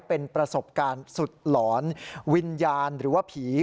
เป็นประสบการณ์สุดหลอนวิญญาณหรือว่าผี